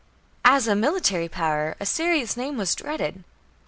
As a military power, Assyria's name was dreaded.